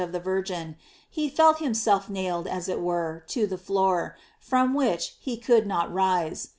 V13 of the Virgin, he felt himself nailed, as it were, to the floor, from which he could not rise.